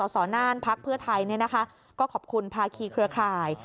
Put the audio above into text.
สนพไทยก็ขอบคุณภาคีเครือข่าย